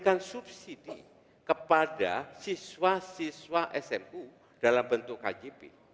dan subsidi kepada siswa siswa smu dalam bentuk kjp